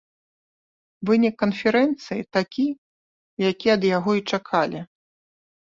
Вынік канферэнцыі такі, які ад яго і чакалі.